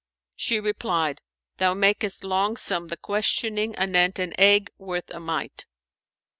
'" She replied, "Thou makest longsome the questioning anent an egg worth a mite."